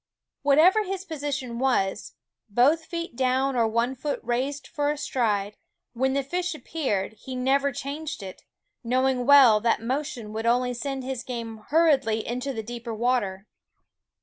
Whatever his position was, both feet down or one foot raised for a stride, when the fish appeared, he never changed it, knowing well that motion would only send his game hur riedly into deeper water.